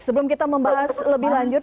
sebelum kita membahas lebih lanjut